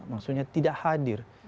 maksudnya tidak hadir